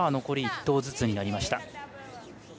残り１投ずつになりました。